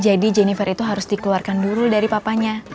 jadi jennifer itu harus dikeluarkan dulu dari papahnya